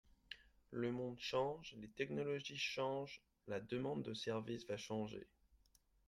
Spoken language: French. Le monde change, les technologies changent, la demande de services va changer.